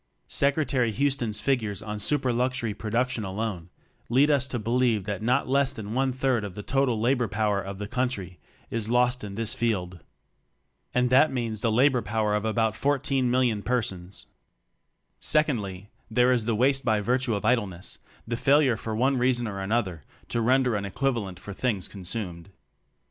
Secretary Houston's figures on super luxury production alone lead us to believe that not less than one third of the total labor power of the country is lost in this field. And that means the la bor power of about 14 million persons. Secondly, there is the waste by virtue of idleness — the fail ure for one reason or another, to render an equivalent for things consumed.